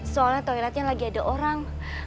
soalnya toiletnya lagi ada orang